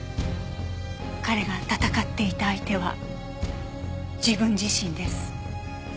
彼が戦っていた相手は自分自身です。